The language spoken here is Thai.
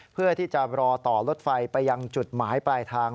เพื่อที่จะรอต่อรถไฟไปยังจุดหมายปลายทาง